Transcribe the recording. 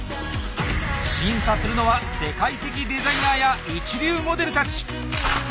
審査するのは世界的デザイナーや一流モデルたち！